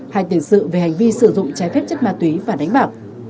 hai tiền sự về hành vi sử dụng trái phép chất ma túy và đánh bạc